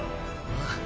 ああ。